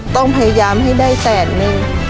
ต้องพยายามให้ได้แสนนึง